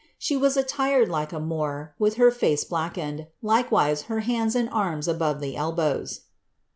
She was attired like a Moor, with her face blacked, ukewise her hands and arms above the elbows.